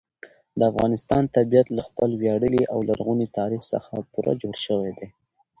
د افغانستان طبیعت له خپل ویاړلي او لرغوني تاریخ څخه پوره جوړ شوی دی.